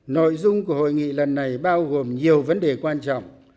nội dung của hội nghị lần này bao gồm nhiều vấn đề quan trọng